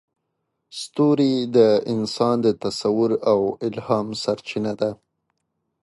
ستوري د انسان د تصور او الهام سرچینه ده.